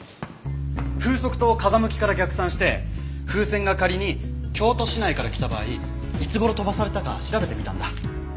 風速と風向きから逆算して風船が仮に京都市内から来た場合いつ頃飛ばされたか調べてみたんだ。